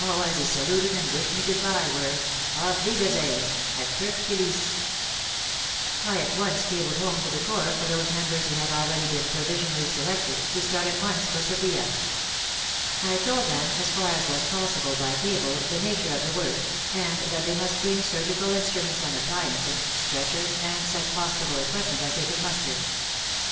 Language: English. O. as he saluted and wished me goodbye, were *' Auf wiedersehen —at Kirk Kilisse !" I at once cabled home to the Corps for those members who had already been provisionally selected, to start at once for Sofia. I told them, as far as was possible by cable, the nature of the work, and that they must bring surgical instruments and appliances, stretchers WAR AND WOMEN 47 and such hospital equipment as they could muster.